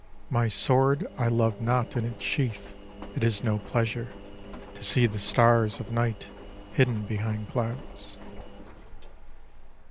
" My sword I love not in its sheath, it is no pleasure To see the stars of night hidden behind clouds."